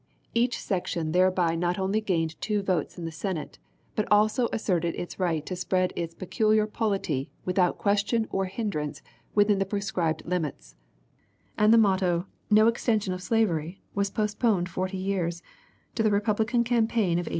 Each section thereby not only gained two votes in the Senate, but also asserted its right to spread its peculiar polity without question or hindrance within the prescribed limits; and the motto, "No extension of slavery," was postponed forty years, to the Republican campaign of 1860.